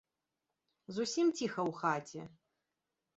Зусім ціха ў хаце.